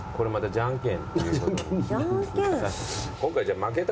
じゃんけん。